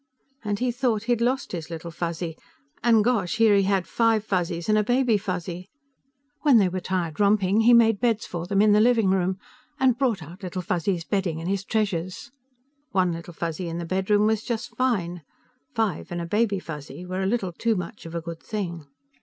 And he thought he'd lost his Little Fuzzy, and, gosh, here he had five Fuzzies and a Baby Fuzzy. When they were tired romping, he made beds for them in the living room, and brought out Little Fuzzy's bedding and his treasures. One Little Fuzzy in the bedroom was just fine; five and a Baby Fuzzy were a little too much of a good thing.